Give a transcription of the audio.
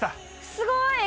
すごい！